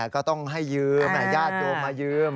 ก็ต้องให้ยืมญาติโยมมายืม